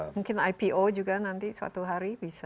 mungkin ipo juga nanti suatu hari bisa